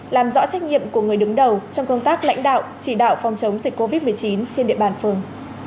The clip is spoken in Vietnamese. làm rõ trách nhiệm của người đứng đầu trong công tác lãnh đạo chỉ đạo phòng chống dịch covid một mươi chín trên địa bàn phường